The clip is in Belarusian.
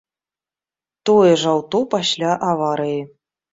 Тое ж аўто пасля аварыі.